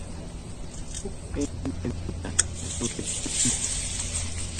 Huk entreguta ruwaykusunchik.